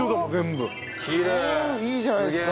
いいじゃないですか。